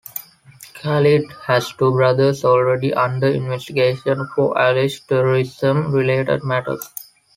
Khalid has two brothers already under investigation for alleged terrorism-related matters.